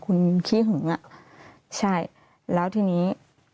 คุณขี้หึงอ่ะใช่แล้วทีนี้